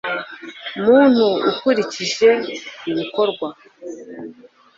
muntu ukurikije ibikorwa